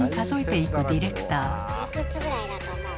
いくつぐらいだと思う？